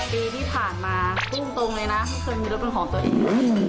ปีที่ผ่านมาพูดตรงเลยนะไม่เคยมีรถเป็นของตัวเอง